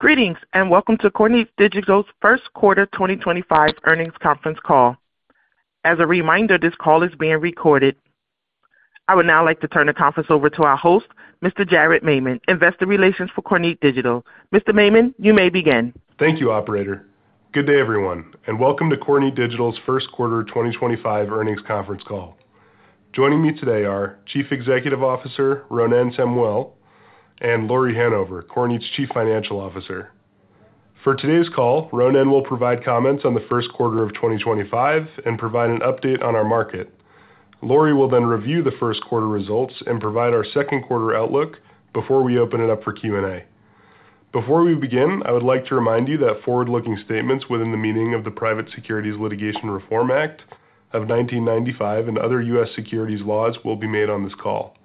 Greetings, and welcome to Kornit Digital's First Quarter 2025 Earnings Conference Call. As a reminder, this call is being recorded. I would now like to turn the conference over to our host, Mr. Jared Maymon, Investor Relations for Kornit Digital. Mr. Maymon, you may begin. Thank you, Operator. Good day, everyone, and welcome to Kornit Digital's First Quarter 2025 Earnings Conference Call. Joining me today are Chief Executive Officer Ronen Samuel and Lauri Hanover, Kornit's Chief Financial Officer. For today's call, Ronen will provide comments on the first quarter of 2025 and provide an update on our market. Lauri will then review the first quarter results and provide our second quarter outlook before we open it up for Q&A. Before we begin, I would like to remind you that forward-looking statements within the meaning of the Private Securities Litigation Reform Act of 1995 and other U.S. securities laws will be made on this call.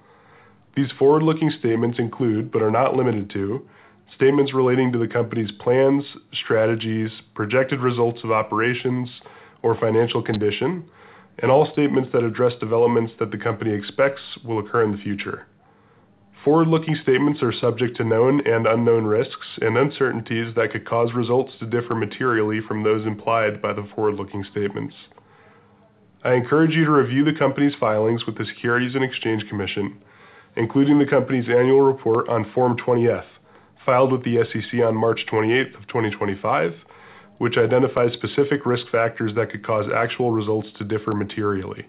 These forward-looking statements include, but are not limited to, statements relating to the company's plans, strategies, projected results of operations or financial condition, and all statements that address developments that the company expects will occur in the future. Forward-looking statements are subject to known and unknown risks and uncertainties that could cause results to differ materially from those implied by the forward-looking statements. I encourage you to review the company's filings with the Securities and Exchange Commission, including the company's annual report on Form 20-F filed with the SEC on March 28th, 2025, which identifies specific risk factors that could cause actual results to differ materially.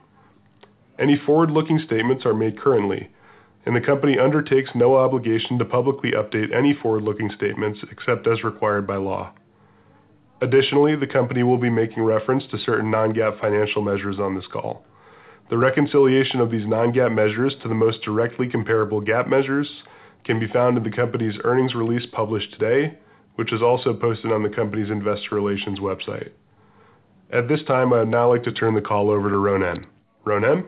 Any forward-looking statements are made currently, and the company undertakes no obligation to publicly update any forward-looking statements except as required by law. Additionally, the company will be making reference to certain non-GAAP financial measures on this call. The reconciliation of these non-GAAP measures to the most directly comparable GAAP measures can be found in the company's earnings release published today, which is also posted on the company's investor relations website. At this time, I would now like to turn the call over to Ronen. Ronen?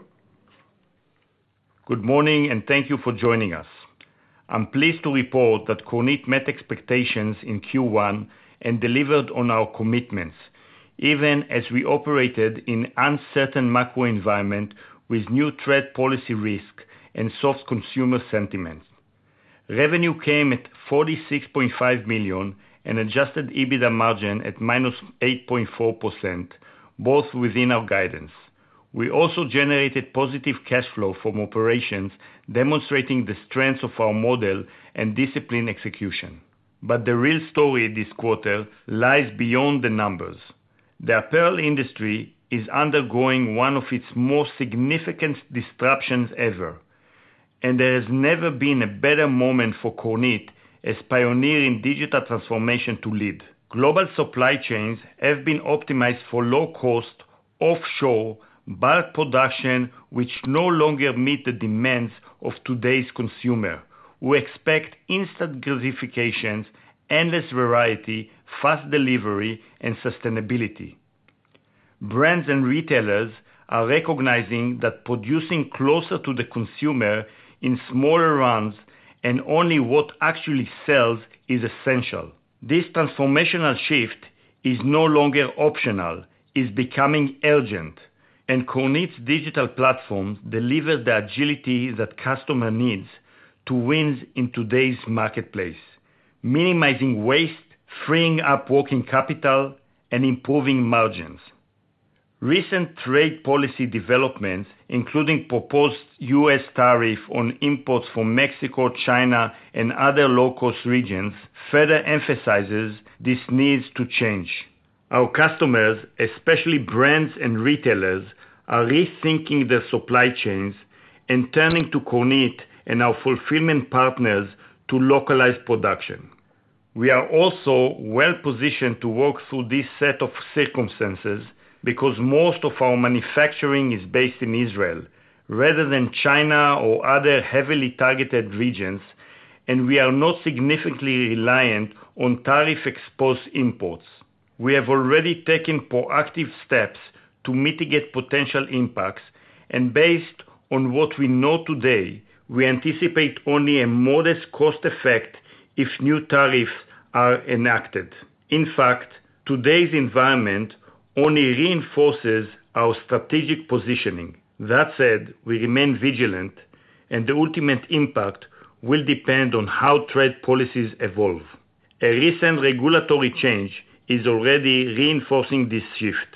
Good morning, and thank you for joining us. I'm pleased to report that Kornit met expectations in Q1 and delivered on our commitments, even as we operated in an uncertain macro environment with new trade policy risks and soft consumer sentiment. Revenue came at $46.5 million and adjusted EBITDA margin at -8.4%, both within our guidance. We also generated positive cash flow from operations, demonstrating the strength of our model and disciplined execution. The real story this quarter lies beyond the numbers. The apparel industry is undergoing one of its most significant disruptions ever, and there has never been a better moment for Kornit as a pioneer in digital transformation to lead. Global supply chains have been optimized for low-cost, offshore, bulk production, which no longer meet the demands of today's consumer, who expect instant gratifications, endless variety, fast delivery, and sustainability. Brands and retailers are recognizing that producing closer to the consumer in smaller runs and only what actually sells is essential. This transformational shift is no longer optional. It is becoming urgent, and Kornit's digital platform delivers the agility that customers need to win in today's marketplace, minimizing waste, freeing up working capital, and improving margins. Recent trade policy developments, including proposed U.S. tariffs on imports from Mexico, China, and other low-cost regions, further emphasize this need to change. Our customers, especially brands and retailers, are rethinking their supply chains and turning to Kornit and our fulfillment partners to localize production. We are also well-positioned to work through this set of circumstances because most of our manufacturing is based in Israel rather than China or other heavily targeted regions, and we are not significantly reliant on tariff-exposed imports. We have already taken proactive steps to mitigate potential impacts, and based on what we know today, we anticipate only a modest cost effect if new tariffs are enacted. In fact, today's environment only reinforces our strategic positioning. That said, we remain vigilant, and the ultimate impact will depend on how trade policies evolve. A recent regulatory change is already reinforcing this shift.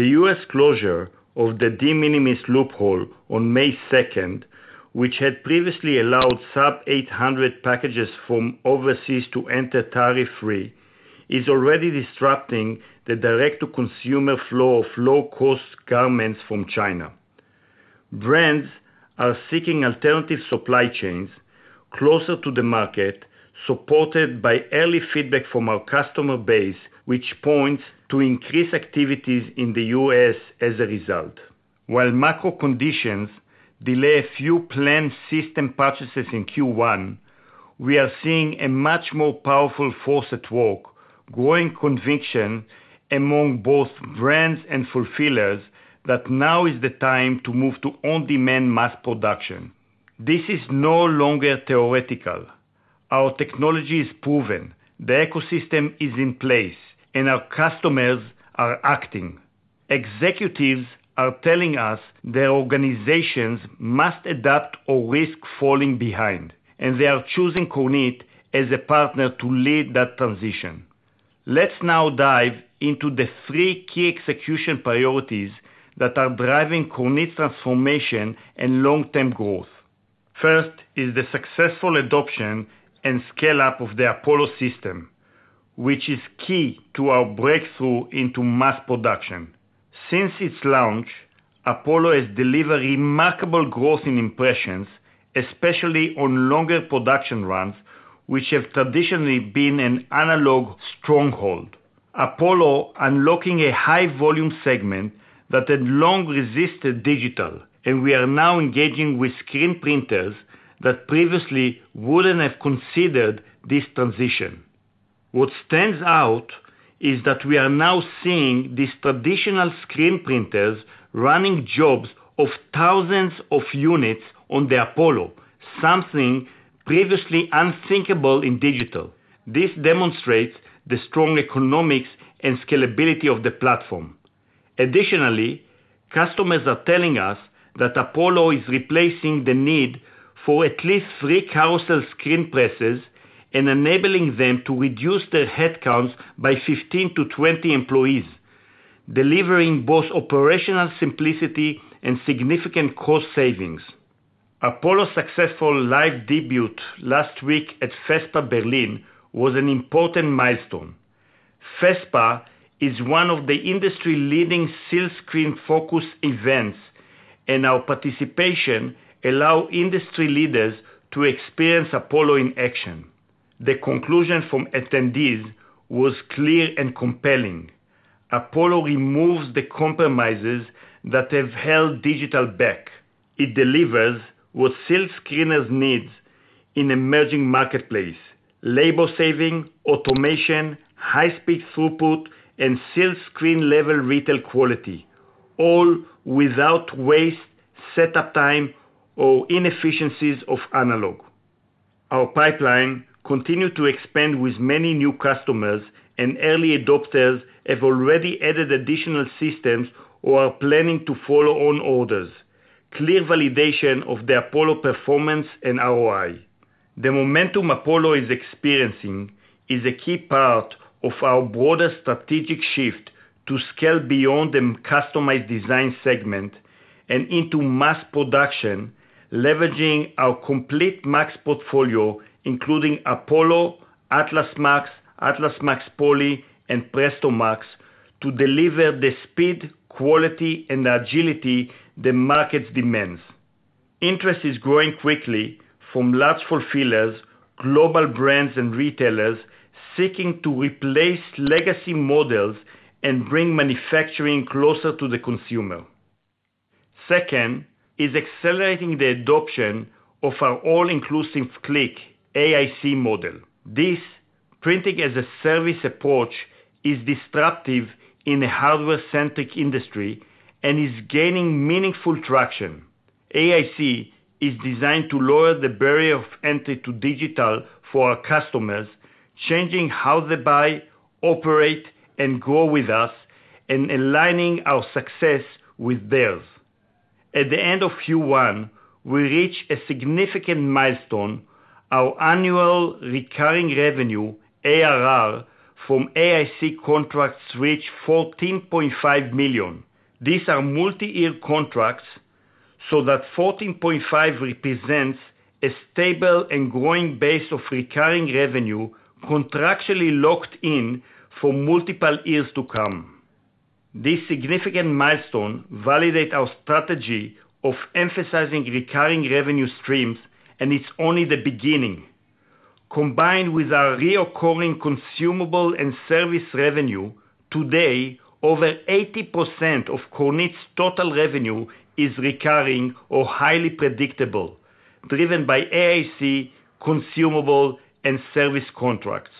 The U.S. closure of the de minimis loophole on May 2nd, which had previously allowed sub-$800 packages from overseas to enter tariff-free, is already disrupting the direct-to-consumer flow of low-cost garments from China. Brands are seeking alternative supply chains closer to the market, supported by early feedback from our customer base, which points to increased activities in the U.S. as a result. While macro conditions delay a few planned system purchases in Q1, we are seeing a much more powerful force at work, growing conviction among both brands and fulfillers that now is the time to move to on-demand mass production. This is no longer theoretical. Our technology is proven, the ecosystem is in place, and our customers are acting. Executives are telling us their organizations must adapt or risk falling behind, and they are choosing Kornit as a partner to lead that transition. Let's now dive into the three key execution priorities that are driving Kornit's transformation and long-term growth. First is the successful adoption and scale-up of the Apollo system, which is key to our breakthrough into mass production. Since its launch, Apollo has delivered remarkable growth in impressions, especially on longer production runs, which have traditionally been an analog stronghold. Apollo is unlocking a high-volume segment that had long resisted digital, and we are now engaging with screen printers that previously would not have considered this transition. What stands out is that we are now seeing these traditional screen printers running jobs of thousands of units on the Apollo, something previously unthinkable in digital. This demonstrates the strong economics and scalability of the platform. Additionally, customers are telling us that Apollo is replacing the need for at least three carousel screen presses and enabling them to reduce their headcounts by 15-20 employees, delivering both operational simplicity and significant cost savings. Apollo's successful live debut last week at FESPA Berlin was an important milestone. FESPA is one of the industry-leading silkscreen-focused events, and our participation allows industry leaders to experience Apollo in action. The conclusion from attendees was clear and compelling. Apollo removes the compromises that have held digital back. It delivers what silkscreeners need in an emerging marketplace: labor saving, automation, high-speed throughput, and silkscreen-level retail quality, all without waste, setup time, or inefficiencies of analog. Our pipeline continues to expand with many new customers, and early adopters have already added additional systems or are planning to follow on orders. Clear validation of the Apollo performance and ROI. The momentum Apollo is experiencing is a key part of our broader strategic shift to scale beyond the customized design segment and into mass production, leveraging our complete Max Portfolio, including Apollo, Atlas MAX, Atlas MAX Poly, and Presto MAX, to deliver the speed, quality, and agility the market demands. Interest is growing quickly from large fulfillers, global brands, and retailers seeking to replace legacy models and bring manufacturing closer to the consumer. Second is accelerating the adoption of our all-inclusive click AIC model. This printing-as-a-service approach is disruptive in a hardware-centric industry and is gaining meaningful traction. AIC is designed to lower the barrier of entry to digital for our customers, changing how they buy, operate, and grow with us, and aligning our success with theirs. At the end of Q1, we reached a significant milestone. Our annual recurring revenue, ARR, from AIC contracts reached $14.5 million. These are multi-year contracts, so that $14.5 million represents a stable and growing base of recurring revenue contractually locked in for multiple years to come. This significant milestone validates our strategy of emphasizing recurring revenue streams, and it's only the beginning. Combined with our recurring consumable and service revenue, today, over 80% of Kornit's total revenue is recurring or highly predictable, driven by AIC consumable and service contracts.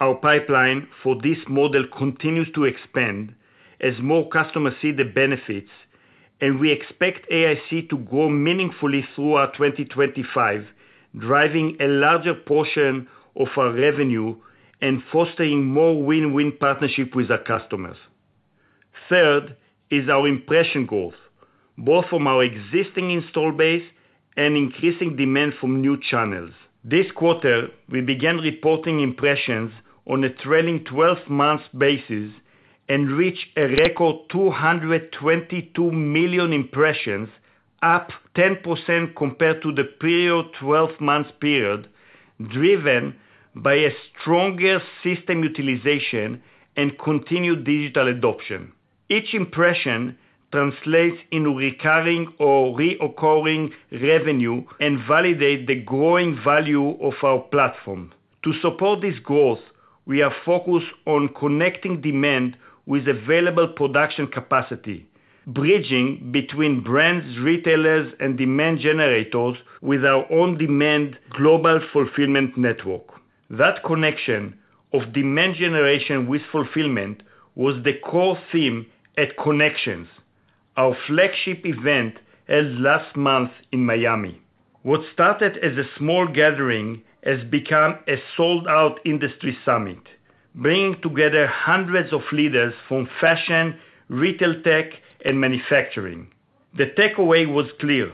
Our pipeline for this model continues to expand as more customers see the benefits, and we expect AIC to grow meaningfully throughout 2025, driving a larger portion of our revenue and fostering more win-win partnerships with our customers. Third is our impression growth, both from our existing install base and increasing demand from new channels. This quarter, we began reporting impressions on a trailing 12-month basis and reached a record 222 million impressions, up 10% compared to the previous 12-month period, driven by a stronger system utilization and continued digital adoption. Each impression translates into recurring or reoccurring revenue and validates the growing value of our platform. To support this growth, we are focused on connecting demand with available production capacity, bridging between brands, retailers, and demand generators with our on-demand global fulfillment network. That connection of demand generation with fulfillment was the core theme at Konnections, our flagship event held last month in Miami. What started as a small gathering has become a sold-out industry summit, bringing together hundreds of leaders from fashion, retail tech, and manufacturing. The takeaway was clear: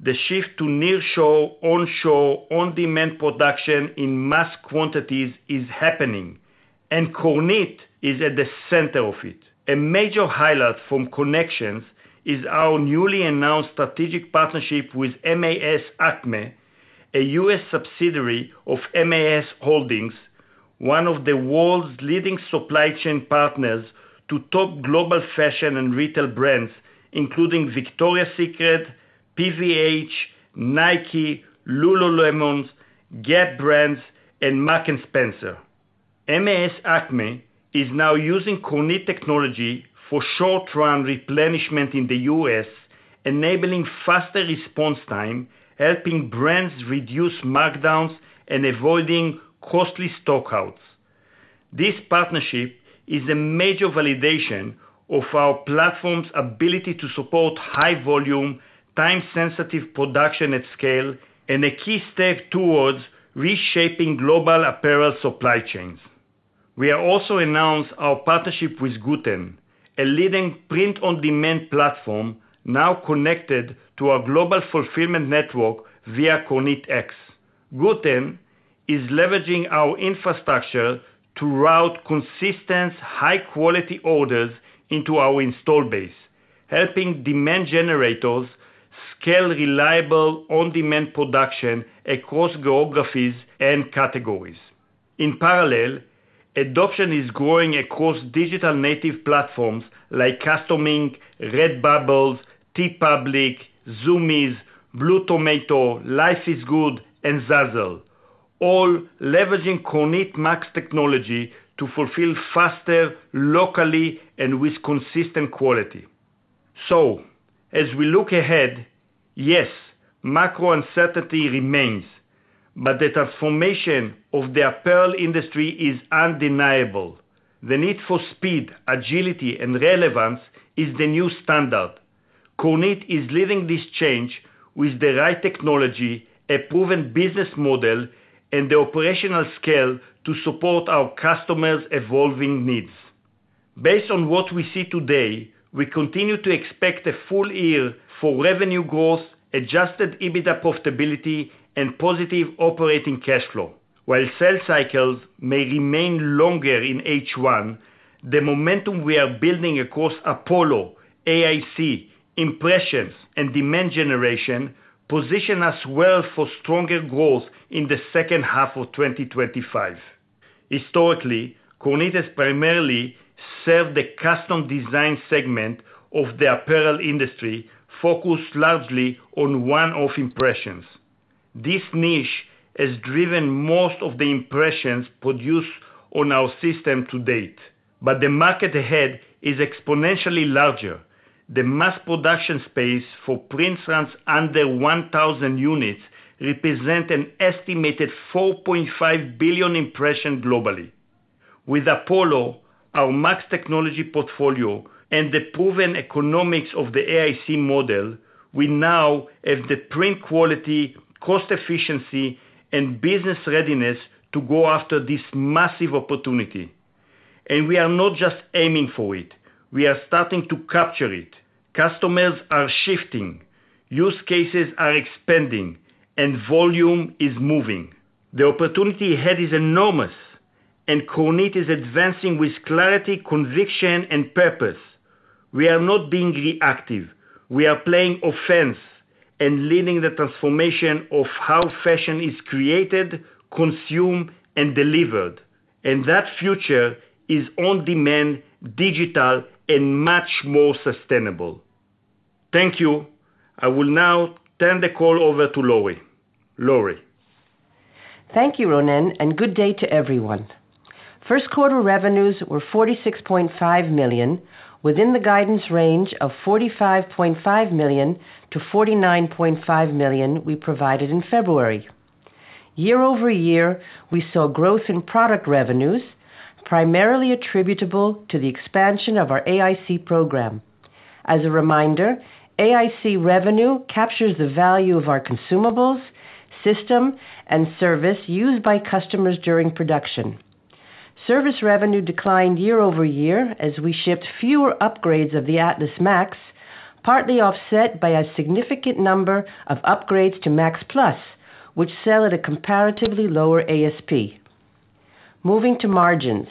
the shift to near-shore, on-shore, on-demand production in mass quantities is happening, and Kornit is at the center of it. A major highlight from Konnections is our newly announced strategic partnership with MAS ACME, a U.S. subsidiary of MAS Holdings, one of the world's leading supply chain partners to top global fashion and retail brands, including Victoria's Secret, PVH, Nike, Lululemon, Gap Brands, and Marks & Spencer. MAS ACME is now using Kornit technology for short-run replenishment in the U.S., enabling faster response time, helping brands reduce markdowns and avoiding costly stockouts. This partnership is a major validation of our platform's ability to support high-volume, time-sensitive production at scale, and a key step towards reshaping global apparel supply chains. We have also announced our partnership with Gooten, a leading print-on-demand platform now connected to our global fulfillment network via KornitX. Gooten is leveraging our infrastructure to route consistent, high-quality orders into our install base, helping demand generators scale reliable on-demand production across geographies and categories. In parallel, adoption is growing across digital native platforms like CustomInk, Redbubble, TeePublic, Zumiez, Blue Tomato, Life is Good, and Zazzle, all leveraging Kornit MAX technology to fulfill faster locally and with consistent quality. As we look ahead, yes, macro uncertainty remains, but the transformation of the apparel industry is undeniable. The need for speed, agility, and relevance is the new standard. Kornit is leading this change with the right technology, a proven business model, and the operational scale to support our customers' evolving needs. Based on what we see today, we continue to expect a full year for revenue growth, adjusted EBITDA profitability, and positive operating cash flow. While sales cycles may remain longer in H1, the momentum we are building across Apollo, AIC, impressions, and demand generation positions us well for stronger growth in the second half of 2025. Historically, Kornit has primarily served the custom design segment of the apparel industry, focused largely on one-off impressions. This niche has driven most of the impressions produced on our system to date. The market ahead is exponentially larger. The mass production space for print runs under 1,000 units, representing an estimated 4.5 billion impressions globally. With Apollo, our Max technology portfolio, and the proven economics of the AIC model, we now have the print quality, cost efficiency, and business readiness to go after this massive opportunity. We are not just aiming for it; we are starting to capture it. Customers are shifting, use cases are expanding, and volume is moving. The opportunity ahead is enormous, and Kornit is advancing with clarity, conviction, and purpose. We are not being reactive; we are playing offense and leading the transformation of how fashion is created, consumed, and delivered. That future is on-demand, digital, and much more sustainable. Thank you. I will now turn the call over to Lauri. Lauri. Thank you, Ronen, and good day to everyone. First quarter revenues were $46.5 million within the guidance range of $45.5 million-$49.5 million we provided in February. Year-over-year, we saw growth in product revenues, primarily attributable to the expansion of our AIC program. As a reminder, AIC revenue captures the value of our consumables, system, and service used by customers during production. Service revenue declined year-over-year as we shipped fewer upgrades of the Atlas MAX, partly offset by a significant number of upgrades to MAX Plus, which sell at a comparatively lower ASP. Moving to margins,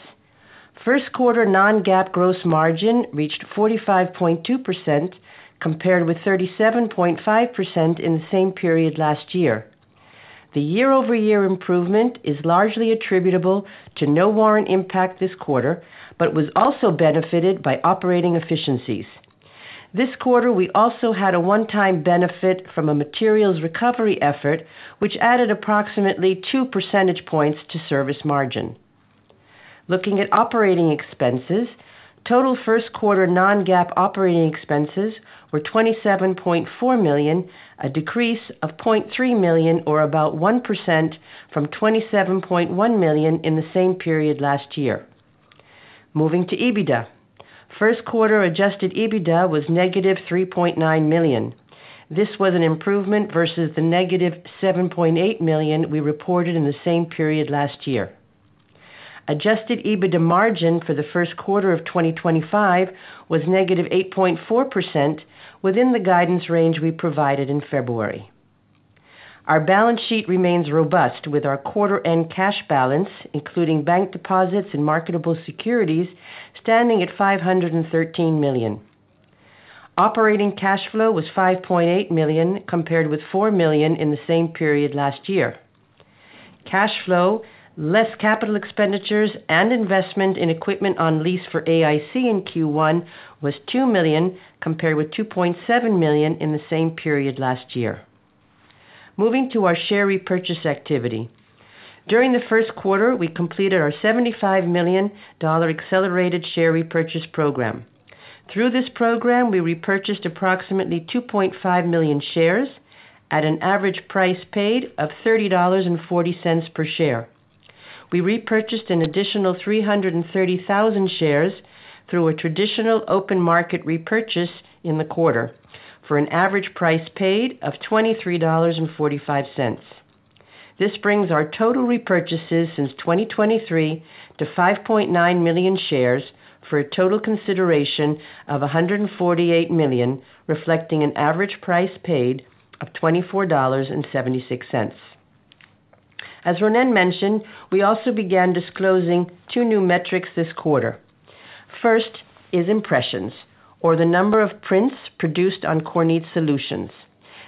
first quarter non-GAAP gross margin reached 45.2% compared with 37.5% in the same period last year. The year-over-year improvement is largely attributable to no warrant impact this quarter, but was also benefited by operating efficiencies. This quarter, we also had a one-time benefit from a materials recovery effort, which added approximately 2 percentage points to service margin. Looking at operating expenses, total first quarter non-GAAP operating expenses were $27.4 million, a decrease of $0.3 million, or about 1% from $27.7 million in the same period last year. Moving to EBITDA, first quarter adjusted EBITDA was negative $3.9 million. This was an improvement versus the -$7.8 million we reported in the same period last year. Adjusted EBITDA margin for the first quarter of 2025 was -8.4% within the guidance range we provided in February. Our balance sheet remains robust with our quarter-end cash balance, including bank deposits and marketable securities, standing at $513 million. Operating cash flow was $5.8 million compared with $4 million in the same period last year. Cash flow, less capital expenditures, and investment in equipment on lease for AIC in Q1 was $2 million compared with $2.7 million in the same period last year. Moving to our share repurchase activity. During the first quarter, we completed our $75 million accelerated share repurchase program. Through this program, we repurchased approximately 2.5 million shares at an average price paid of $30.40 per share. We repurchased an additional 330,000 shares through a traditional open market repurchase in the quarter for an average price paid of $23.45. This brings our total repurchases since 2023 to 5.9 million shares for a total consideration of $148 million, reflecting an average price paid of $24.76. As Ronen mentioned, we also began disclosing two new metrics this quarter. First is impressions, or the number of prints produced on Kornit solutions.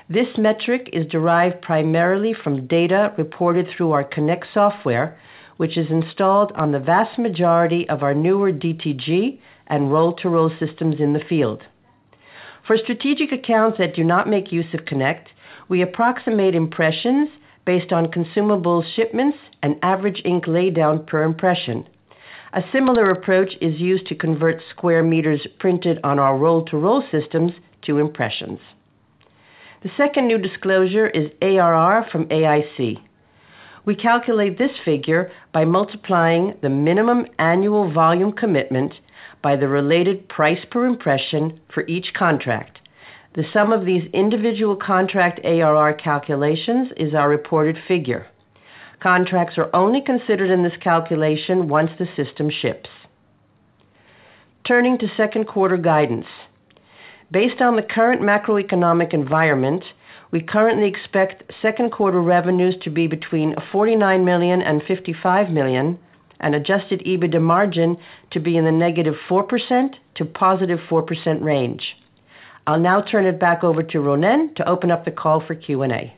This metric is derived primarily from data reported through our Konnect software, which is installed on the vast majority of our newer DTG and roll-to-roll systems in the field. For strategic accounts that do not make use of Konnect, we approximate impressions based on consumable shipments and average ink laydown per impression. A similar approach is used to convert square meters printed on our roll-to-roll systems to impressions. The second new disclosure is ARR from AIC. We calculate this figure by multiplying the minimum annual volume commitment by the related price per impression for each contract. The sum of these individual contract ARR calculations is our reported figure. Contracts are only considered in this calculation once the system ships. Turning to second quarter guidance, based on the current macroeconomic environment, we currently expect second quarter revenues to be between $49 million and $55 million, and adjusted EBITDA margin to be in the -4%-+4% range. I'll now turn it back over to Ronen to open up the call for Q&A.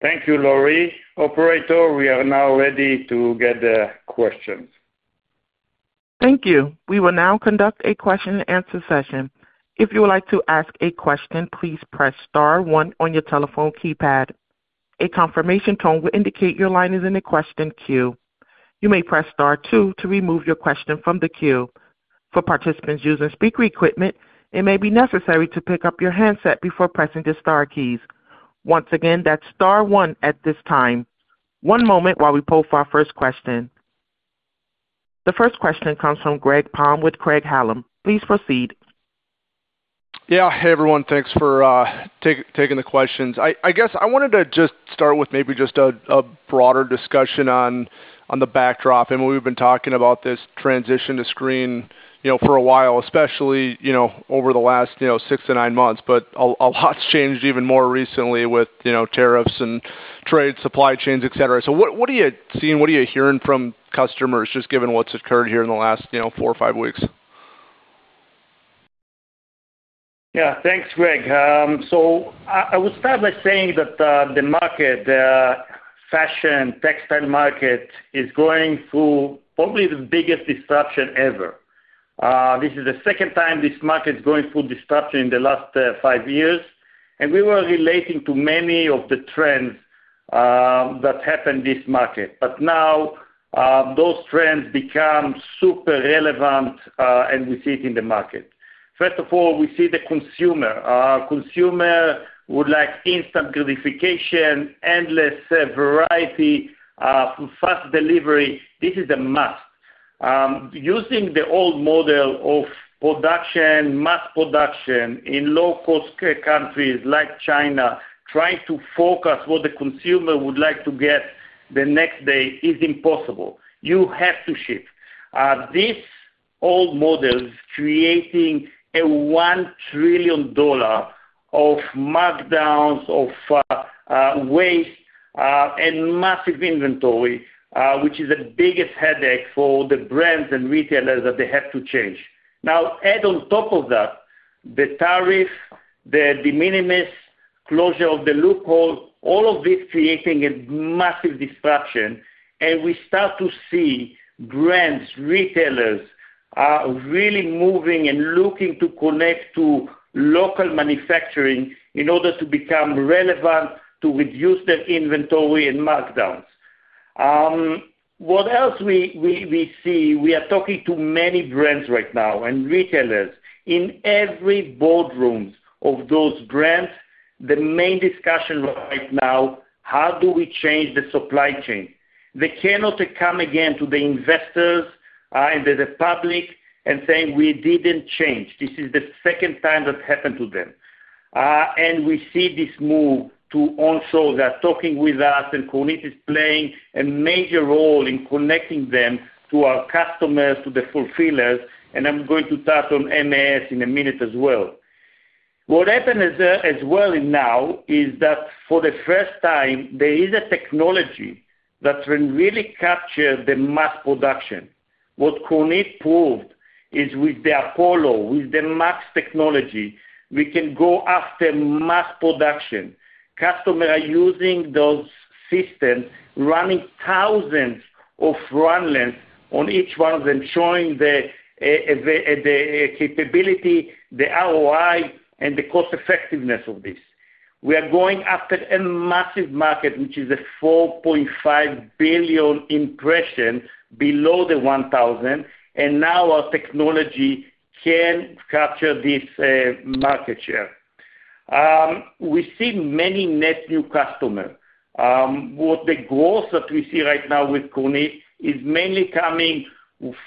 Thank you, Lauri. Operator, we are now ready to get the questions. Thank you. We will now conduct a question-and-answer session. If you would like to ask a question, please press star one on your telephone keypad. A confirmation tone will indicate your line is in the question queue. You may press star two to remove your question from the queue. For participants using speaker equipment, it may be necessary to pick up your handset before pressing the star keys. Once again, that's star one at this time. One moment while we pull for our first question. The first question comes from Greg Palm with Craig-Hallum. Please proceed. Yeah, hey everyone, thanks for taking the questions. I guess I wanted to just start with maybe just a broader discussion on the backdrop and what we've been talking about this transition to screen for a while, especially over the last six to nine months. A lot's changed even more recently with tariffs and trade, supply chains, etc. What are you seeing? What are you hearing from customers just given what's occurred here in the last four or five weeks? Yeah, thanks, Greg. I will start by saying that the market, fashion, textile market, is going through probably the biggest disruption ever. This is the second time this market is going through disruption in the last five years. We were relating to many of the trends that happened this market. Now those trends become super relevant, and we see it in the market. First of all, we see the consumer. Consumer would like instant gratification, endless variety, fast delivery. This is a must. Using the old model of production, mass production in low-cost countries like China, trying to focus what the consumer would like to get the next day is impossible. You have to ship. This old model is creating a $1 trillion of markdowns, of waste, and massive inventory, which is the biggest headache for the brands and retailers that they have to change. Now, add on top of that, the tariff, the de minimis closure of the loophole, all of this creating a massive disruption. We start to see brands, retailers really moving and looking to connect to local manufacturing in order to become relevant, to reduce their inventory and markdowns. What else we see? We are talking to many brands right now and retailers. In every boardroom of those brands, the main discussion right now, how do we change the supply chain? They cannot come again to the investors and the public and say, "We didn't change." This is the second time that happened to them. We see this move to onshore that talking with us, and Kornit is playing a major role in connecting them to our customers, to the fulfillers. I'm going to touch on MAS in a minute as well. What happened as well now is that for the first time, there is a technology that can really capture the mass production. What Kornit proved is with the Apollo, with the MAX technology, we can go after mass production. Customers are using those systems, running thousands of run lines on each one of them, showing the capability, the ROI, and the cost effectiveness of this. We are going after a massive market, which is a 4.5 billion impression below the 1,000. Now our technology can capture this market share. We see many net new customers. The growth that we see right now with Kornit is mainly coming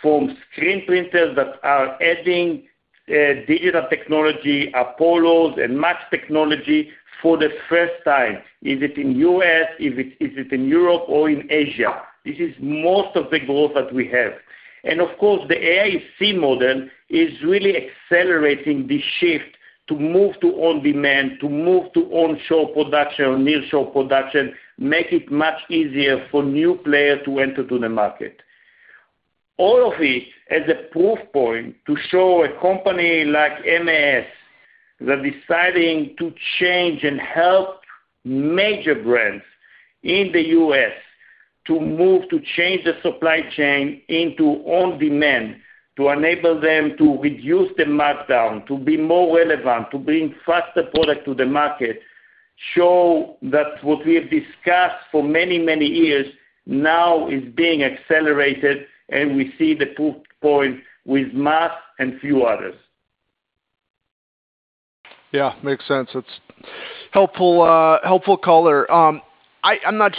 from screen printers that are adding digital technology, Apollos, and Max technology for the first time. Is it in the U.S.? Is it in Europe or in Asia? This is most of the growth that we have. Of course, the AIC model is really accelerating the shift to move to on-demand, to move to onshore production, nearshore production, making it much easier for new players to enter the market. All of this as a proof point to show a company like MAS that is deciding to change and help major brands in the U.S. to move to change the supply chain into on-demand to enable them to reduce the markdown, to be more relevant, to bring faster product to the market, show that what we have discussed for many, many years now is being accelerated, and we see the proof point with MAX and few others. Yeah, makes sense. It's helpful color. I'm not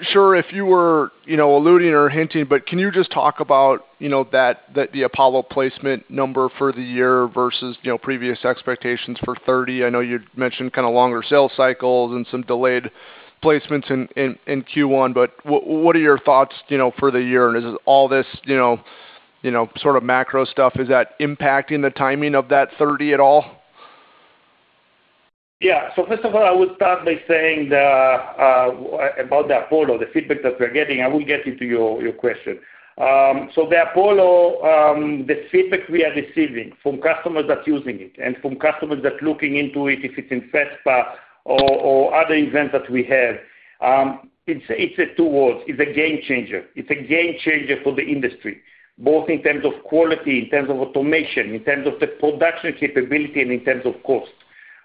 sure if you were alluding or hinting, but can you just talk about the Apollo placement number for the year versus previous expectations for 30? I know you'd mentioned kind of longer sales cycles and some delayed placements in Q1, but what are your thoughts for the year? Is all this sort of macro stuff, is that impacting the timing of that 30 at all? Yeah. First of all, I would start by saying about the Apollo, the feedback that we're getting, I will get into your question. The Apollo, the feedback we are receiving from customers that are using it and from customers that are looking into it, if it's in FESPA or other events that we have, it's a two-word. It's a game changer. It's a game changer for the industry, both in terms of quality, in terms of automation, in terms of the production capability, and in terms of cost.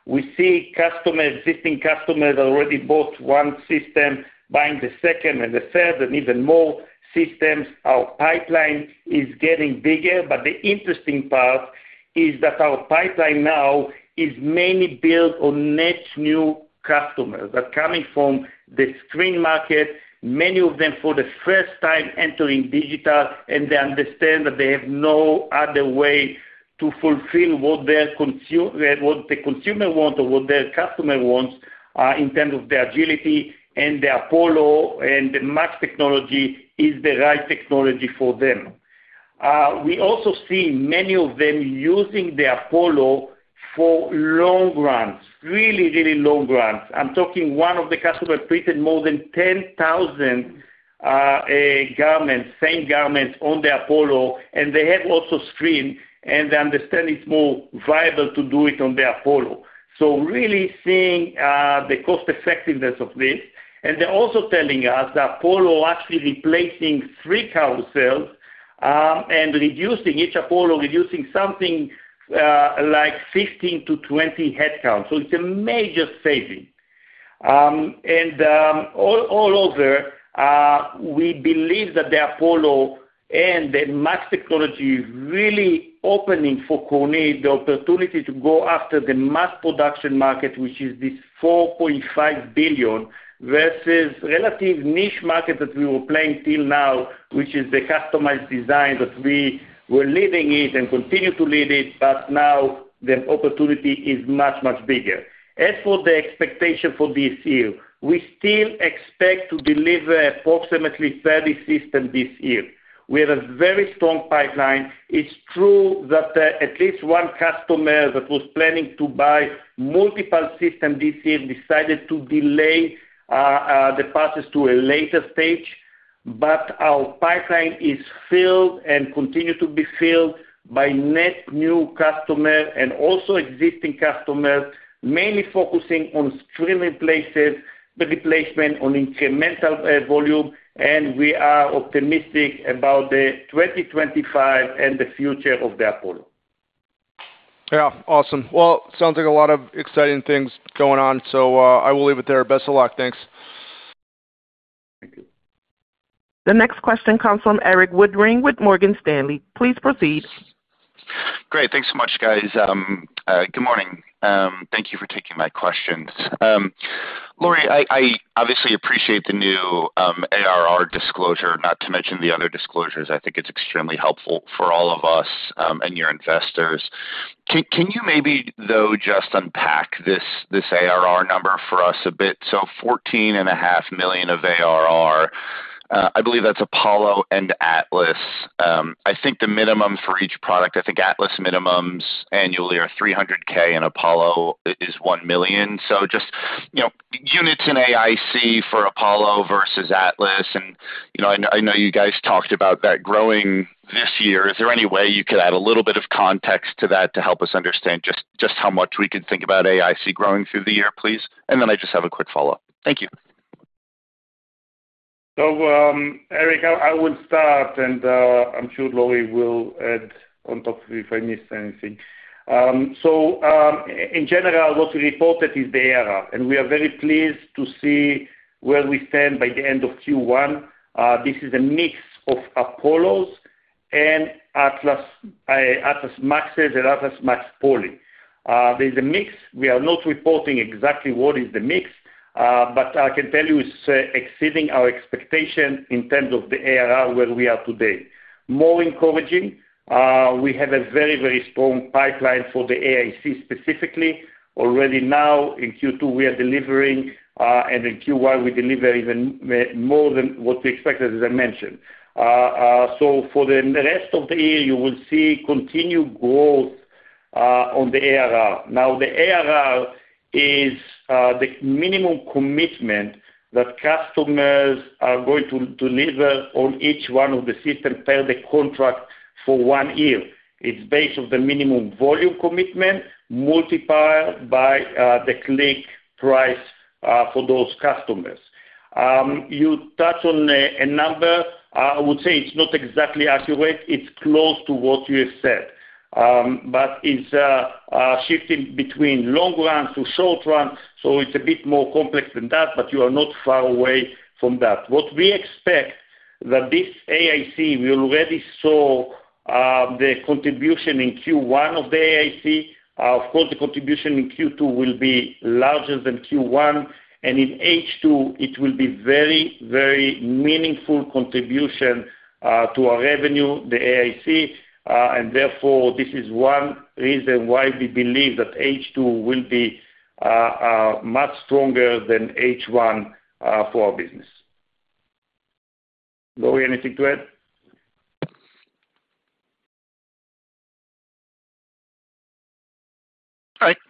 We see existing customers that already bought one system, buying the second and the third and even more systems. Our pipeline is getting bigger, but the interesting part is that our pipeline now is mainly built on net new customers that are coming from the screen market, many of them for the first time entering digital, and they understand that they have no other way to fulfill what the consumer wants or what their customer wants in terms of the agility. The Apollo and the MAX technology is the right technology for them. We also see many of them using the Apollo for long runs, really, really long runs. I'm talking one of the customers printed more than 10,000 garments, same garments on the Apollo, and they have also screen, and they understand it's more viable to do it on the Apollo. Really seeing the cost effectiveness of this. They're also telling us that Apollo actually is replacing three carousels and reducing, each Apollo reducing something like 15-20 headcounts. It is a major saving. Overall, we believe that the Apollo and the MAX technology is really opening for Kornit the opportunity to go after the mass production market, which is this 4.5 billion versus the relative niche market that we were playing till now, which is the customized design that we were leading and continue to lead, but now the opportunity is much, much bigger. As for the expectation for this year, we still expect to deliver approximately 30 systems this year. We have a very strong pipeline. It's true that at least one customer that was planning to buy multiple systems this year decided to delay the purchase to a later stage, but our pipeline is filled and continues to be filled by net new customers and also existing customers, mainly focusing on screen replacement, on incremental volume, and we are optimistic about the 2025 and the future of the Apollo. Awesome. Sounds like a lot of exciting things going on, so I will leave it there. Best of luck. Thanks. Thank you. The next question comes from Erik Woodring with Morgan Stanley. Please proceed. Great. Thanks so much, guys. Good morning. Thank you for taking my questions. Lauri, I obviously appreciate the new ARR disclosure, not to mention the other disclosures. I think it's extremely helpful for all of us and your investors. Can you maybe, though, just unpack this ARR number for us a bit? So $14.5 million of ARR. I believe that's Apollo and Atlas. I think the minimum for each product, I think Atlas minimums annually are $300,000, and Apollo is $1 million. So just units in AIC for Apollo versus Atlas. I know you guys talked about that growing this year. Is there any way you could add a little bit of context to that to help us understand just how much we can think about AIC growing through the year, please? I just have a quick follow-up. Thank you. Erik, I will start, and I'm sure Lauri will add on top if I missed anything. In general, what we reported is the ARR, and we are very pleased to see where we stand by the end of Q1. This is a mix of Apollos and Atlas MAXes and Atlas MAX Poly. There's a mix. We are not reporting exactly what is the mix, but I can tell you it's exceeding our expectation in terms of the ARR where we are today. More encouraging, we have a very, very strong pipeline for the AIC specifically. Already now in Q2, we are delivering, and in Q1, we deliver even more than what we expected, as I mentioned. For the rest of the year, you will see continued growth on the ARR. Now, the ARR is the minimum commitment that customers are going to deliver on each one of the systems per the contract for one year. It's based on the minimum volume commitment multiplied by the click price for those customers. You touch on a number. I would say it's not exactly accurate. It's close to what you have said, but it's shifting between long runs to short runs. So it's a bit more complex than that, but you are not far away from that. What we expect that this AIC, we already saw the contribution in Q1 of the AIC. Of course, the contribution in Q2 will be larger than Q1. And in H2, it will be a very, very meaningful contribution to our revenue, the AIC. And therefore, this is one reason why we believe that H2 will be much stronger than H1 for our business. Lauri, anything to add?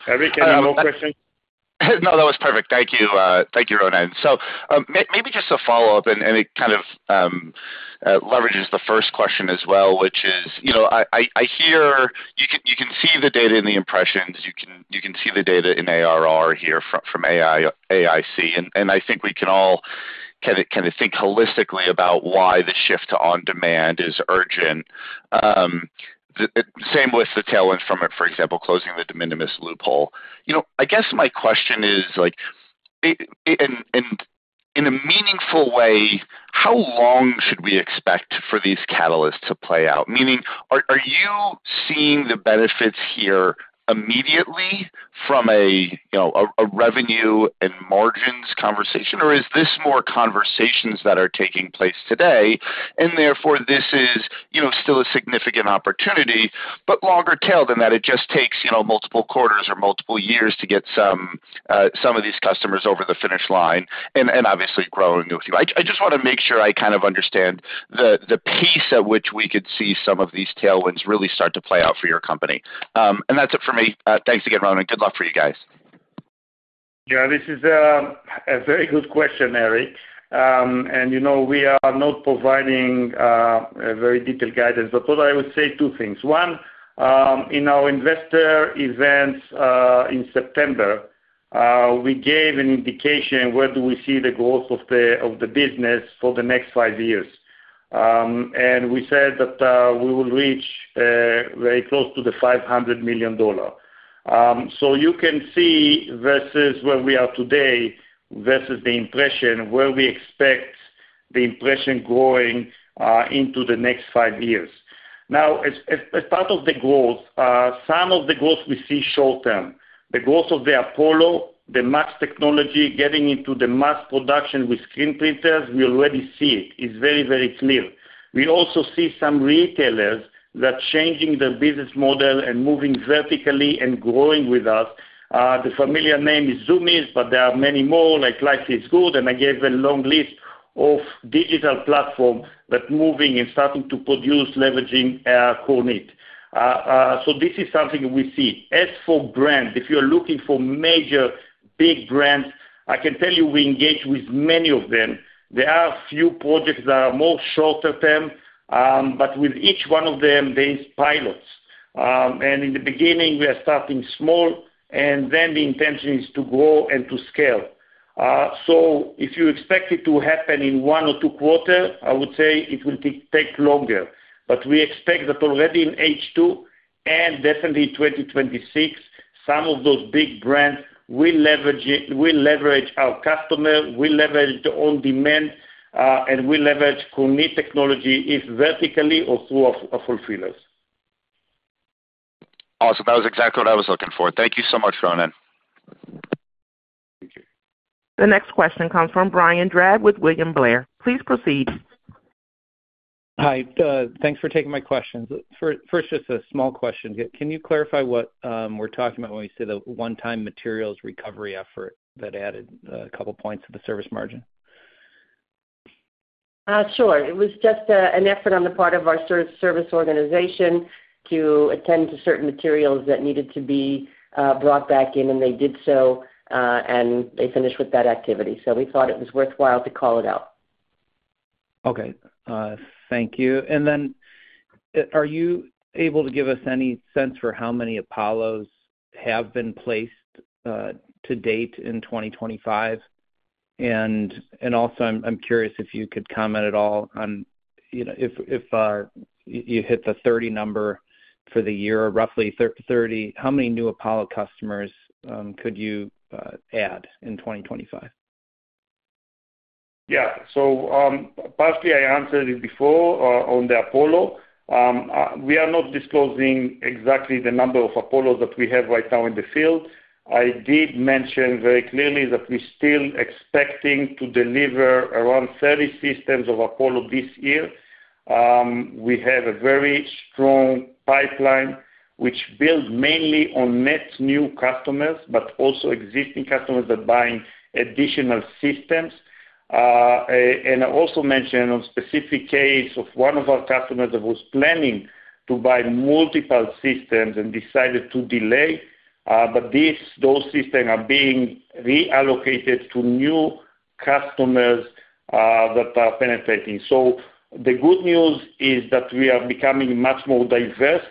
Eric, any more questions? No, that was perfect. Thank you, Ronen. So maybe just a follow-up, and it kind of leverages the first question as well, which is I hear you can see the data in the impressions. You can see the data in ARR here from AIC. I think we can all kind of think holistically about why the shift to on-demand is urgent. Same with the tailwind from, for example, closing the de minimis loophole. I guess my question is, in a meaningful way, how long should we expect for these catalysts to play out? Meaning, are you seeing the benefits here immediately from a revenue and margins conversation, or is this more conversations that are taking place today, and therefore this is still a significant opportunity, but longer tail than that? It just takes multiple quarters or multiple years to get some of these customers over the finish line and obviously growing with you. I just want to make sure I kind of understand the pace at which we could see some of these tailwinds really start to play out for your company. That is it for me. Thanks again, Ronen. Good luck for you guys. Yeah, this is a very good question, Eric. We are not providing very detailed guidance, but I would say two things. One, in our investor events in September, we gave an indication where do we see the growth of the business for the next five years. We said that we will reach very close to the $500 million. You can see versus where we are today versus the impression where we expect the impression growing into the next five years. Now, as part of the growth, some of the growth we see short-term. The growth of the Apollo, the MAX technology getting into the mass production with screen printers, we already see it. It's very, very clear. We also see some retailers that are changing their business model and moving vertically and growing with us. The familiar name is Zumiez, but there are many more like Life is Good, and I gave a long list of digital platforms that are moving and starting to produce leveraging Kornit. This is something we see. As for brands, if you're looking for major big brands, I can tell you we engage with many of them. There are a few projects that are more shorter term, but with each one of them, there are pilots. In the beginning, we are starting small, and then the intention is to grow and to scale. If you expect it to happen in one or two quarters, I would say it will take longer. We expect that already in H2 and definitely in 2026, some of those big brands will leverage our customers, will leverage the on-demand, and will leverage Kornit technology vertically or through our fulfillers. Awesome. That was exactly what I was looking for. Thank you so much, Ronen. Thank you. The next question comes from Brian Drab with William Blair. Please proceed. Hi. Thanks for taking my questions. First, just a small question. Can you clarify what we're talking about when we say the one-time materials recovery effort that added a couple of points to the service margin? Sure. It was just an effort on the part of our service organization to attend to certain materials that needed to be brought back in, and they did so, and they finished with that activity. We thought it was worthwhile to call it out. Okay. Thank you. Are you able to give us any sense for how many Apollos have been placed to date in 2025? I'm curious if you could comment at all on if you hit the 30 number for the year, roughly 30, how many new Apollo customers could you add in 2025? Yeah. Partially I answered it before on the Apollo. We are not disclosing exactly the number of Apollos that we have right now in the field. I did mention very clearly that we're still expecting to deliver around 30 systems of Apollo this year. We have a very strong pipeline which builds mainly on net new customers, but also existing customers that are buying additional systems. I also mentioned a specific case of one of our customers that was planning to buy multiple systems and decided to delay, but those systems are being reallocated to new customers that are penetrating. The good news is that we are becoming much more diverse.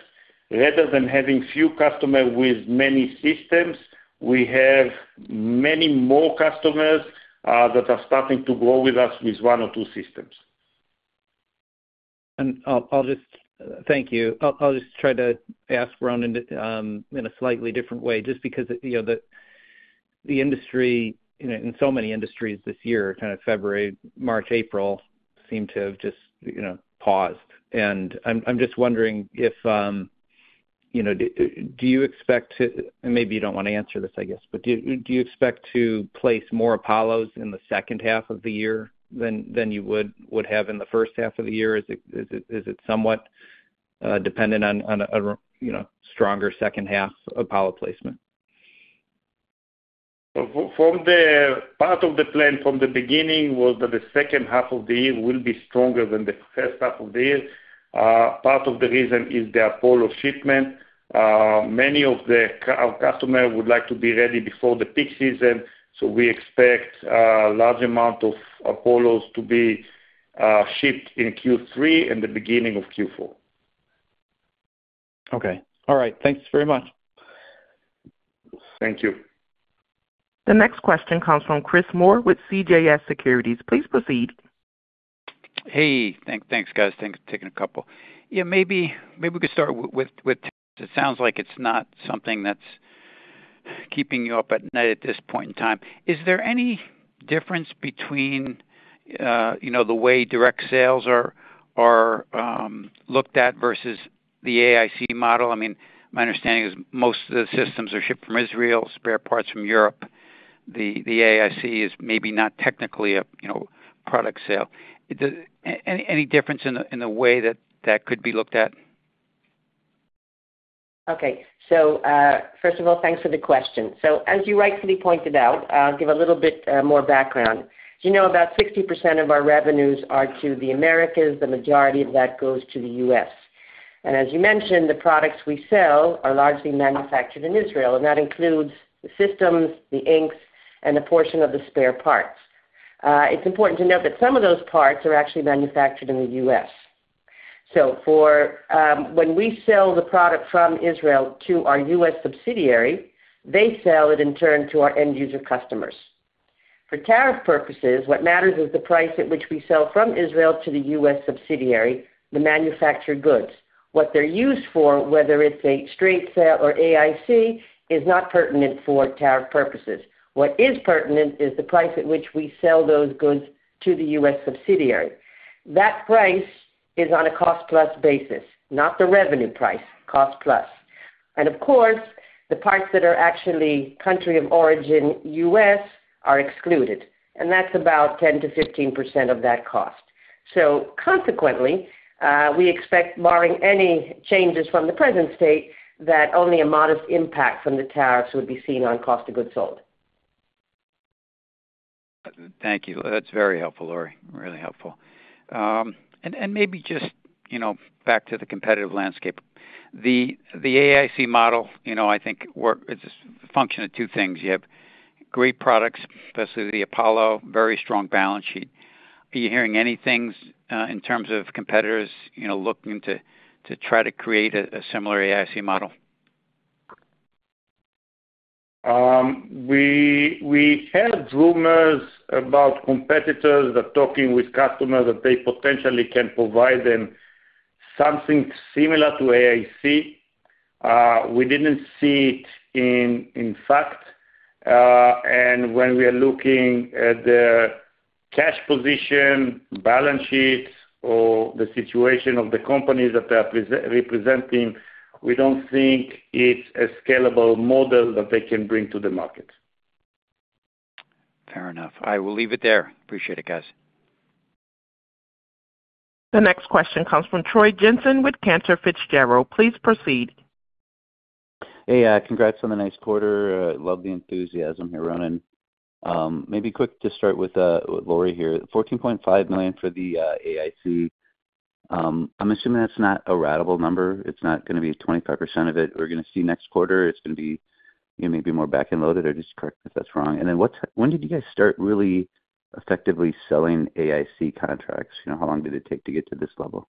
Rather than having few customers with many systems, we have many more customers that are starting to grow with us with one or two systems. I'll just thank you. I'll just try to ask Ronen in a slightly different way just because the industry in so many industries this year, kind of February, March, April, seem to have just paused. I'm just wondering if do you expect to—and maybe you don't want to answer this, I guess—but do you expect to place more Apollos in the second half of the year than you would have in the first half of the year? Is it somewhat dependent on a stronger second half Apollo placement? The part of the plan from the beginning was that the second half of the year will be stronger than the first half of the year. Part of the reason is the Apollo shipment. Many of our customers would like to be ready before the peak season. We expect a large amount of Apollos to be shipped in Q3 and the beginning of Q4. Okay. All right. Thanks very much. Thank you. The next question comes from Chris Moore with CJS Securities. Please proceed. Hey. Thanks, guys. Thanks for taking a couple. Yeah, maybe we could start with, it sounds like it's not something that's keeping you up at night at this point in time. Is there any difference between the way direct sales are looked at versus the AIC model? I mean, my understanding is most of the systems are shipped from Israel, spare parts from Europe. The AIC is maybe not technically a product sale. Any difference in the way that that could be looked at? Okay. First of all, thanks for the question. As you rightfully pointed out, I'll give a little bit more background. About 60% of our revenues are to the Americas. The majority of that goes to the U.S. As you mentioned, the products we sell are largely manufactured in Israel. That includes the systems, the inks, and a portion of the spare parts. It's important to note that some of those parts are actually manufactured in the U.S. When we sell the product from Israel to our U.S. subsidiary, they sell it in turn to our end user customers. For tariff purposes, what matters is the price at which we sell from Israel to the U.S. subsidiary, the manufactured goods. What they're used for, whether it's a straight sale or AIC, is not pertinent for tariff purposes. What is pertinent is the price at which we sell those goods to the U.S. subsidiary. That price is on a cost-plus basis, not the revenue price, cost-plus. Of course, the parts that are actually country of origin U.S. are excluded. That is about 10%-15% of that cost. Consequently, we expect, barring any changes from the present state, that only a modest impact from the tariffs would be seen on cost of goods sold. Thank you. That is very helpful, Lauri. Really helpful. Maybe just back to the competitive landscape. The AIC model, I think, works as a function of two things. You have great products, especially the Apollo, very strong balance sheet. Are you hearing any things in terms of competitors looking to try to create a similar AIC model? We had rumors about competitors that are talking with customers that they potentially can provide them something similar to AIC. We did not see it in fact. When we are looking at the cash position, balance sheets, or the situation of the companies that they're representing, we do not think it's a scalable model that they can bring to the market. Fair enough. I will leave it there. Appreciate it, guys. The next question comes from Troy Jensen with Cantor Fitzgerald. Please proceed. Hey, congrats on the next quarter. Love the enthusiasm here, Ronen. Maybe quick to start with, Lauri here, $14.5 million for the AIC. I'm assuming that's not a ratable number. It's not going to be 25% of it. We're going to see next quarter. It's going to be maybe more back and loaded. Just correct me if that's wrong. And then when did you guys start really effectively selling AIC contracts? How long did it take to get to this level?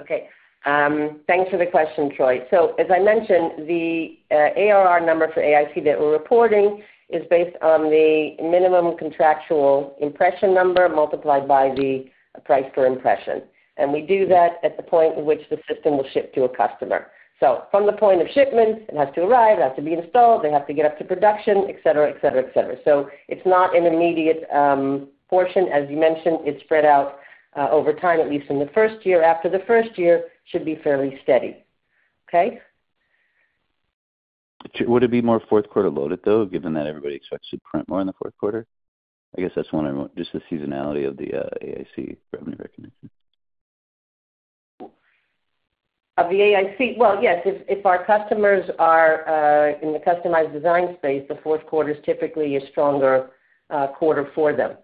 Okay. Thanks for the question, Troy. As I mentioned, the ARR number for AIC that we're reporting is based on the minimum contractual impression number multiplied by the price per impression. We do that at the point in which the system will ship to a customer. From the point of shipment, it has to arrive, it has to be installed, they have to get up to production, etc., etc., etc. It's not an immediate portion. As you mentioned, it's spread out over time, at least in the first year. After the first year, it should be fairly steady. Okay? Would it be more fourth quarter loaded, though, given that everybody expects to print more in the fourth quarter? I guess that's one of just the seasonality of the AIC revenue recognition. Of the AIC? Yes. If our customers are in the customized design space, the fourth quarter is typically a stronger quarter for them.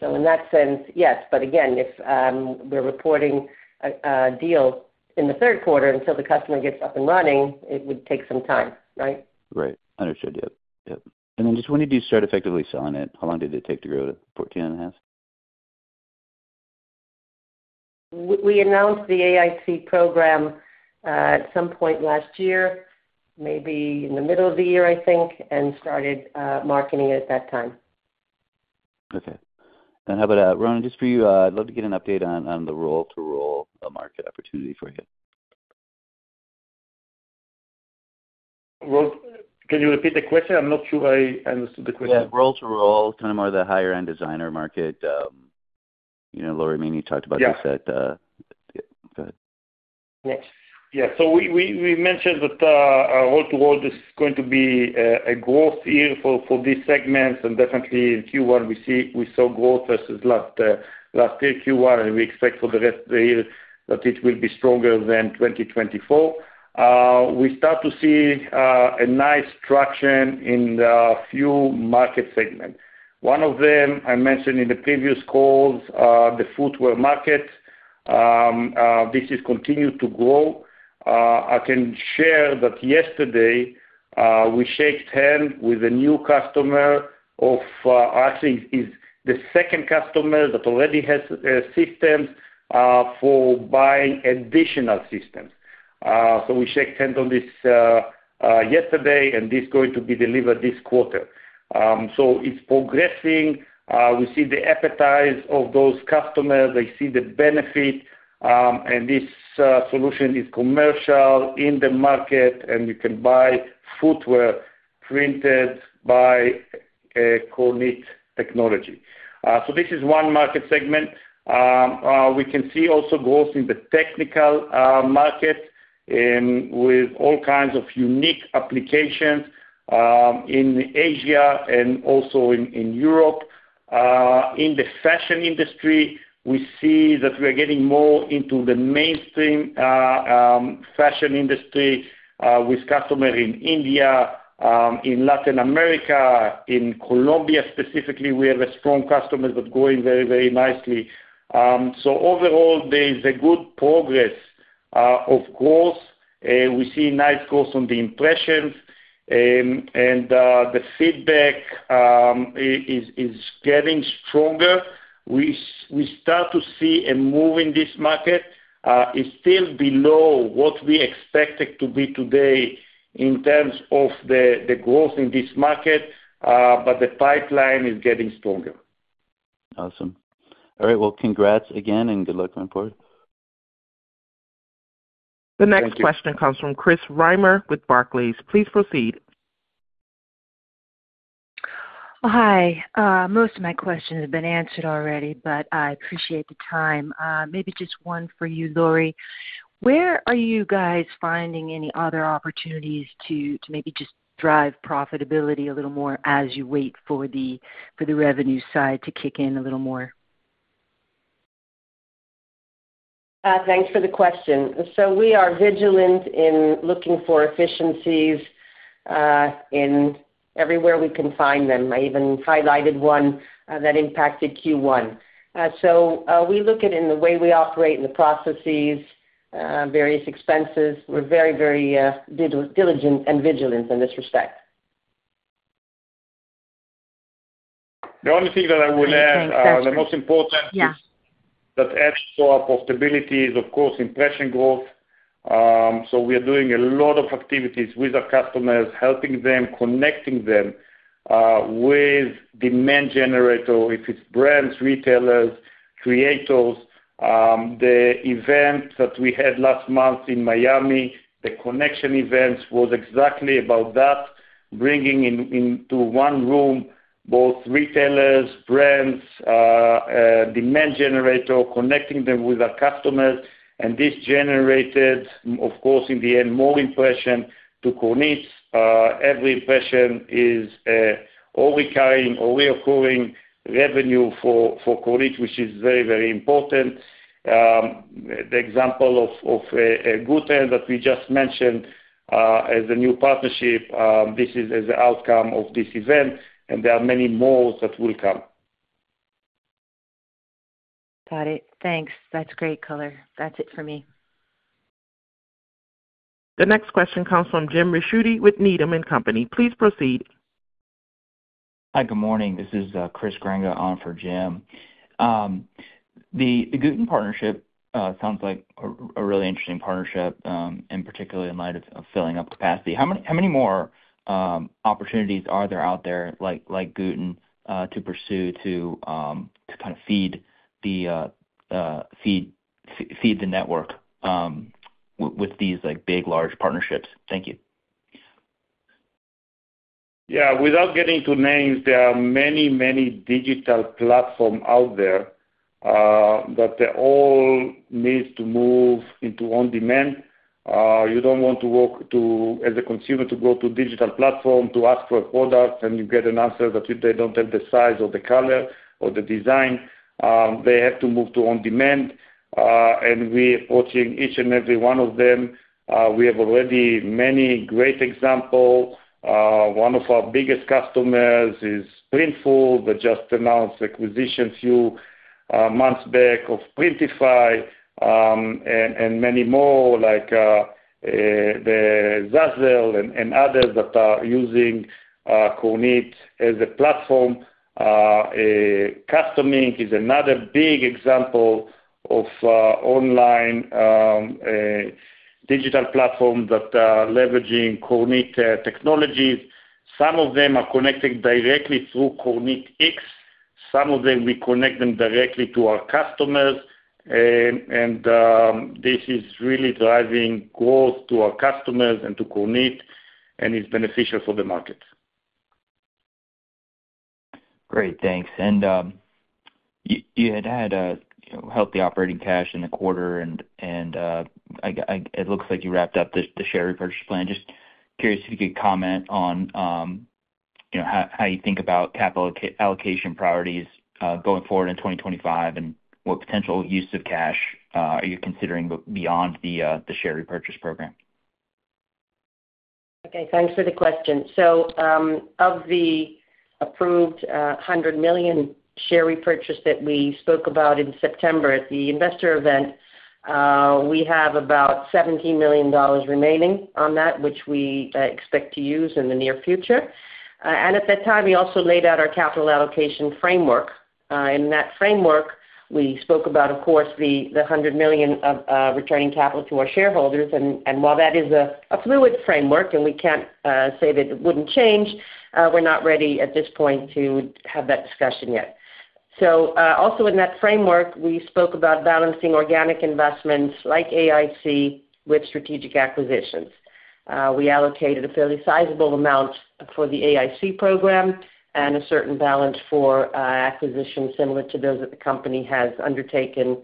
In that sense, yes. If we're reporting a deal in the third quarter, until the customer gets up and running, it would take some time, right? Right. Understood. Yep. And then just when did you start effectively selling it? How long did it take to grow to 14 and a half? We announced the AIC program at some point last year, maybe in the middle of the year, I think, and started marketing it at that time. Okay. And how about Ronen, just for you, I'd love to get an update on the roll-to-roll market opportunity for you. Can you repeat the question? I'm not sure I understood the question. Yeah. Roll-to-roll, kind of more of the higher-end designer market. Lauri maybe talked about this at—yeah. Yeah. We mentioned that roll-to-roll is going to be a growth year for these segments. In Q1, we saw growth versus last year, Q1, and we expect for the rest of the year that it will be stronger than 2024. We start to see a nice traction in a few market segments. One of them I mentioned in the previous calls, the footwear market. This has continued to grow. I can share that yesterday we shook hands with a new customer of ours—the second customer that already has systems for buying additional systems. We shook hands on this yesterday, and this is going to be delivered this quarter. It is progressing. We see the appetite of those customers. They see the benefit. This solution is commercial in the market, and you can buy footwear printed by Kornit technology. This is one market segment. We can see also growth in the technical market with all kinds of unique applications in Asia and also in Europe. In the fashion industry, we see that we are getting more into the mainstream fashion industry with customers in India, in Latin America. In Colombia specifically, we have a strong customer that's growing very, very nicely. Overall, there is a good progress of growth. We see nice growth on the impressions, and the feedback is getting stronger. We start to see a move in this market. It's still below what we expected to be today in terms of the growth in this market, but the pipeline is getting stronger. Awesome. All right. Congrats again, and good luck going forward. The next question comes from Chris Reimer with Barclays. Please proceed. Hi. Most of my questions have been answered already, but I appreciate the time. Maybe just one for you, Lauri. Where are you guys finding any other opportunities to maybe just drive profitability a little more as you wait for the revenue side to kick in a little more? Thanks for the question. We are vigilant in looking for efficiencies in everywhere we can find them. I even highlighted one that impacted Q1. We look at it in the way we operate and the processes, various expenses. We are very, very diligent and vigilant in this respect. The only thing that I would add, the most important thing that adds to our profitability is, of course, impression growth. We are doing a lot of activities with our customers, helping them, connecting them with demand generator, if it is brands, retailers, creators. The event that we had last month in Miami, the Konnection event, was exactly about that, bringing into one room both retailers, brands, demand generator, connecting them with our customers. This generated, of course, in the end, more impressions to Kornits. Every impression is a recurring, a reoccurring revenue for Kornits, which is very, very important. The example of a Gooten that we just mentioned as a new partnership, this is as an outcome of this event, and there are many more that will come. Got it. Thanks. That's great color. That's it for me. The next question comes from Jim Ricchiuti with Needham & Company. Please proceed. Hi. Good morning. This is Chris Grenga on for Jim. The Gooten partnership sounds like a really interesting partnership, and particularly in light of filling up capacity. How many more opportunities are there out there like Gooten to pursue to kind of feed the network with these big, large partnerships? Thank you. Yeah. Without getting into names, there are many, many digital platforms out there that all need to move into on-demand. You do not want to work as a consumer to go to a digital platform to ask for a product, and you get an answer that they do not have the size or the color or the design. They have to move to on-demand. We are approaching each and every one of them. We have already many great examples. One of our biggest customers is Printful that just announced acquisition a few months back of Printify and many more like Zazzle and others that are using Kornit as a platform. CustomInk is another big example of online digital platforms that are leveraging Kornit technologies. Some of them are connected directly through KornitX. Some of them, we connect them directly to our customers. This is really driving growth to our customers and to Kornit, and it's beneficial for the market. Great. Thanks. You had had healthy operating cash in the quarter, and it looks like you wrapped up the share repurchase plan. Just curious if you could comment on how you think about capital allocation priorities going forward in 2025 and what potential use of cash are you considering beyond the share repurchase program? Okay. Thanks for the question. Of the approved $100 million share repurchase that we spoke about in September at the investor event, we have about $17 million remaining on that, which we expect to use in the near future. At that time, we also laid out our capital allocation framework. In that framework, we spoke about, of course, the $100 million of returning capital to our shareholders. While that is a fluid framework, and we cannot say that it would not change, we are not ready at this point to have that discussion yet. Also in that framework, we spoke about balancing organic investments like AIC with strategic acquisitions. We allocated a fairly sizable amount for the AIC program and a certain balance for acquisitions similar to those that the company has undertaken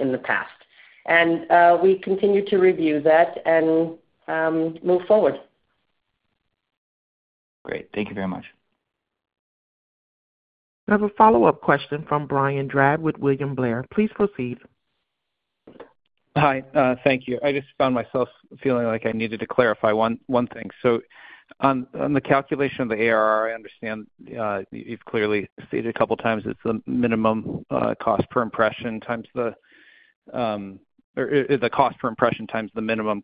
in the past. We continue to review that and move forward. Great. Thank you very much. We have a follow-up question from Brian Drab with William Blair. Please proceed. Hi. Thank you. I just found myself feeling like I needed to clarify one thing. On the calculation of the ARR, I understand you've clearly stated a couple of times it's the minimum cost per impression times the, or the cost per impression times the minimum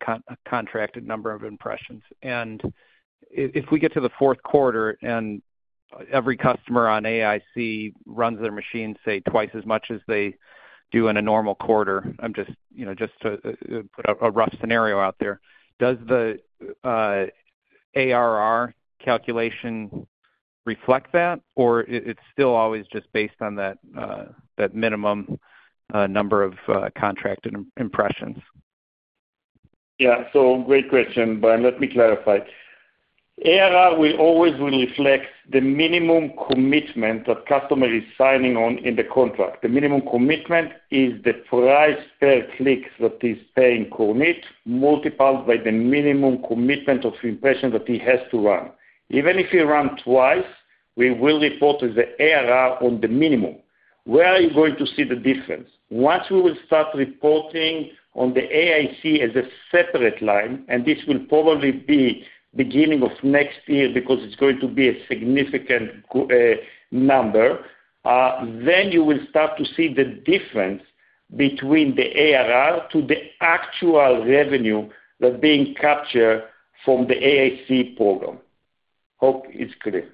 contracted number of impressions. If we get to the fourth quarter and every customer on AIC runs their machine, say, twice as much as they do in a normal quarter, I'm just to put a rough scenario out there, does the ARR calculation reflect that, or it's still always just based on that minimum number of contracted impressions? Yeah. Great question, but let me clarify. ARR will always reflect the minimum commitment that customer is signing on in the contract. The minimum commitment is the price per click that is paying Kornit multiplied by the minimum commitment of impression that he has to run. Even if he runs twice, we will report as the ARR on the minimum. Where are you going to see the difference? Once we will start reporting on the AIC as a separate line, and this will probably be the beginning of next year because it's going to be a significant number, then you will start to see the difference between the ARR to the actual revenue that's being captured from the AIC program. Hope it's clear.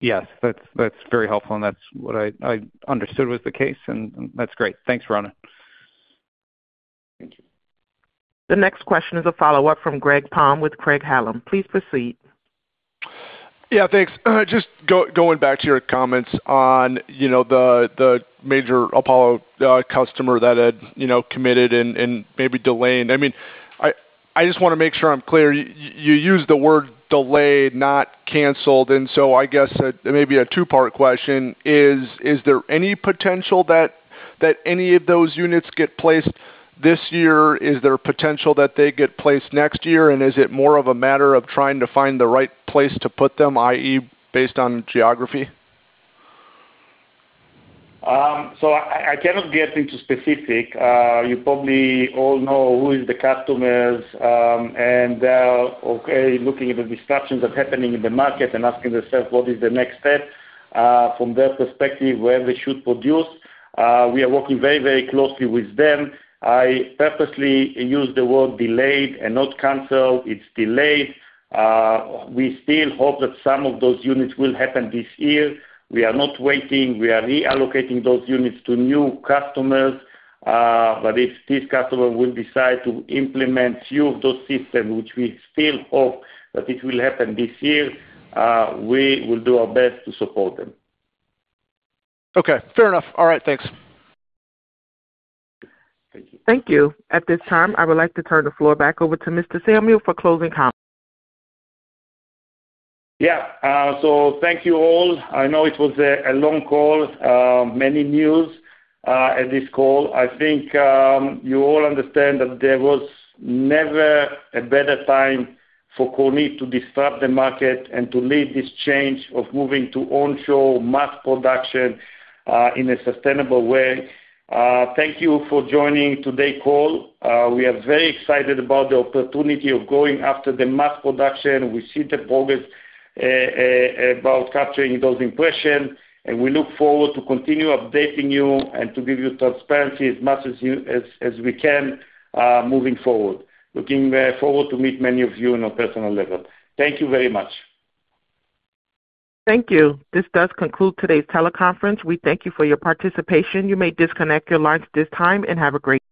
Yes. That's very helpful, and that's what I understood was the case, and that's great. Thanks, Ronen. Thank you. The next question is a follow-up from Greg Palm with Craig-Hallum. Please proceed. Yeah. Thanks. Just going back to your comments on the major Apollo customer that had committed and maybe delayed. I mean, I just want to make sure I'm clear. You used the word delayed, not canceled. I guess maybe a two-part question is, is there any potential that any of those units get placed this year? Is there a potential that they get placed next year? Is it more of a matter of trying to find the right place to put them, i.e., based on geography? I cannot get into specific. You probably all know who the customers are. They're okay looking at the disruptions that are happening in the market and asking themselves, "What is the next step from their perspective where they should produce?" We are working very, very closely with them. I purposely use the word delayed and not canceled. It's delayed. We still hope that some of those units will happen this year. We are not waiting. We are reallocating those units to new customers. If this customer will decide to implement a few of those systems, which we still hope that it will happen this year, we will do our best to support them. Okay. Fair enough. All right. Thanks. Thank you. Thank you. At this time, I would like to turn the floor back over to Mr. Samuel for closing comments. Yeah. Thank you all. I know it was a long call, many news at this call. I think you all understand that there was never a better time for Kornit to disrupt the market and to lead this change of moving to onshore mass production in a sustainable way. Thank you for joining today's call. We are very excited about the opportunity of going after the mass production. We see the progress about capturing those impressions, and we look forward to continue updating you and to give you transparency as much as we can moving forward. Looking forward to meeting many of you on a personal level. Thank you very much. Thank you. This does conclude today's teleconference. We thank you for your participation. You may disconnect your lines at this time and have a great day.